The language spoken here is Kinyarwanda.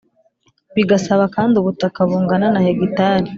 bigasaba kandi ubutaka bungana na hegitari